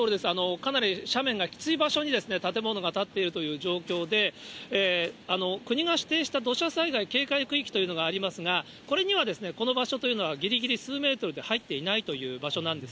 かなり斜面がきつい場所に建物が建っているという状況で、国が指定した土砂災害警戒区域というのがありますが、これには、この場所というのは、ぎりぎり数メートルで、入っていないという場所なんです。